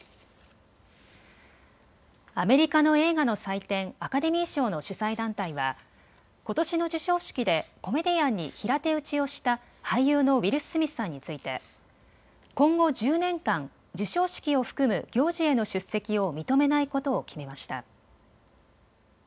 アメリカの映画の祭典、アカデミー賞の主催団体はことしの授賞式でコメディアンに平手打ちをした俳優のウィル・スミスさんについて今後１０年間、授賞式を含む行事への出席を認めないことを決めました。